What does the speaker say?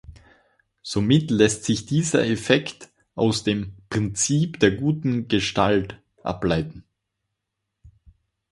Somit lässt sich dieser Effekt aus dem "Prinzip der guten Gestalt" ableiten.